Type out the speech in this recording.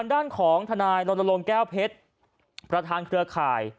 ด้านของธนาไยรนลงแก้วเพชรพระทางเครือข่าย